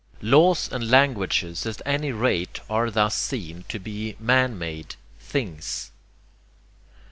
Laws and languages at any rate are thus seen to be man made: things.